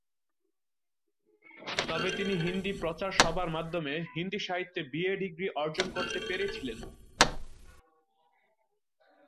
তবে তিনি হিন্দি প্রচার সভার মাধ্যমে হিন্দি সাহিত্যে বিএ ডিগ্রি অর্জন করতে পেরেছিলেন।